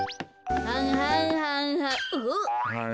はんはんはんはん。あっ！